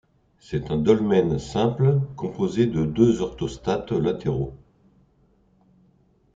C'est un dolmen simple composé de deux orthostates latéraux.